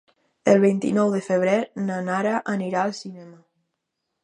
El vint-i-nou de febrer na Nara anirà al cinema.